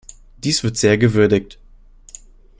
Dies wird sehr gewürdigt.